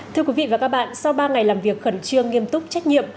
thưa quý vị và các bạn sau ba ngày làm việc khẩn trương nghiêm túc trách nhiệm